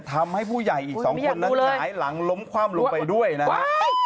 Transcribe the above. ทำให้ผู้ใหญ่อีก๒คนนั้นหงายหลังล้มคว่ำลงไปด้วยนะครับ